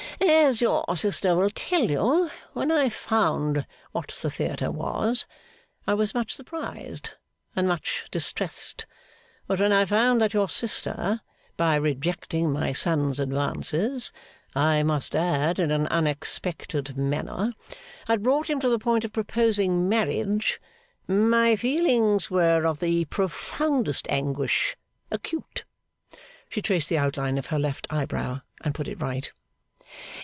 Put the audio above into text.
'As your sister will tell you, when I found what the theatre was I was much surprised and much distressed. But when I found that your sister, by rejecting my son's advances (I must add, in an unexpected manner), had brought him to the point of proposing marriage, my feelings were of the profoundest anguish acute.' She traced the outline of her left eyebrow, and put it right.